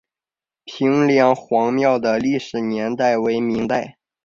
平凉隍庙的历史年代为明代。